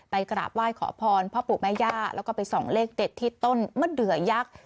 กราบไหว้ขอพรพ่อปู่แม่ย่าแล้วก็ไปส่องเลขเด็ดที่ต้นมะเดือยักษ์